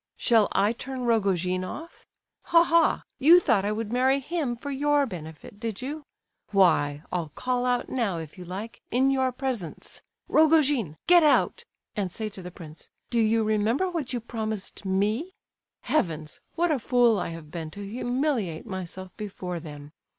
"Shall I turn Rogojin off? Ha! ha! you thought I would marry him for your benefit, did you? Why, I'll call out now, if you like, in your presence, 'Rogojin, get out!' and say to the prince, 'Do you remember what you promised me?' Heavens! what a fool I have been to humiliate myself before them!